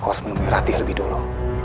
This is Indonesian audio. kau harus menemui rati lebih dulu